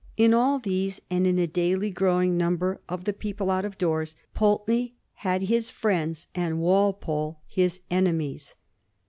In all these, and in a daily growing number of the people out of doors, Pulteney had his friends and Walpole his enemies.